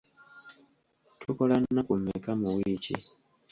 Tukola nnaku mmeka mu wiiki?